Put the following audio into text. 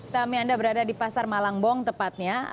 kami anda berada di pasar malangbong tepatnya